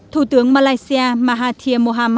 thủ tướng malaysia mahathir